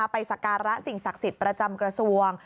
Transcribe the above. สการะสิ่งศักดิ์สิทธิ์ประจำกระทรวง